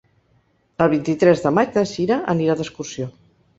El vint-i-tres de maig na Cira anirà d'excursió.